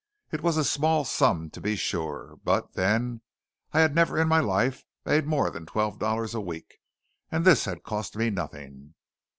It was a small sum, to be sure; but, then, I had never in my life made more than twelve dollars a week, and this had cost me nothing.